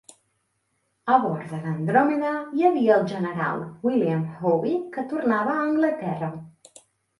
A bord de l'"Andromeda" hi havia el General William Howe, que tornava a Anglaterra.